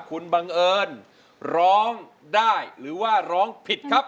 คุณบังเอิญร้องได้หรือว่าร้องผิดครับ